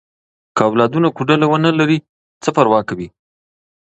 که اولادونه کوډله ونه لري، څه پروا کوي؟